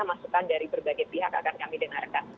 masukan dari berbagai pihak akan kami dengarkan